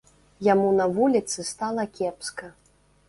Яму на вуліцы стала кепска.